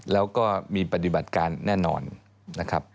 แล้วก็มีปฏิบัติการแน่นอนนะครับ